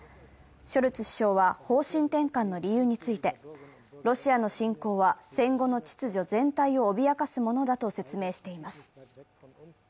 ショルツ首相は方針転換の理由について、ロシアの侵攻は戦後の秩序全体を脅かすものだと説明しています。